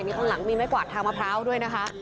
มีข้างหลังมีไม้กวาดทางมะพร้าวด้วยนะคะ